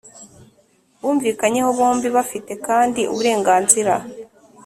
Bumvikanyeho bombi bafite kandi uburenganzira